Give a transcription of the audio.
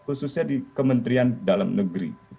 khususnya di kementerian dalam negeri